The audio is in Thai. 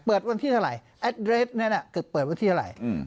เปิดวันที่เท่าไหร่เนี่ยน่ะก็เปิดวันที่เท่าไหร่อืม